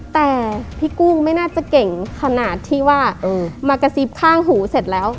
แต่พี่กุ้งไม่น่าจะเก่งขนาดที่ว่ามากระซิบข้างหูเสร็จแล้ว